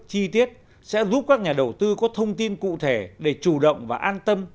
chi tiết sẽ giúp các nhà đầu tư có thông tin cụ thể để chủ động và an tâm